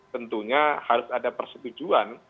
tentunya harus ada persetujuan